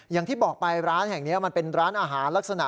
อย่างที่บอกไปร้านแห่งนี้มันเป็นร้านอาหารลักษณะ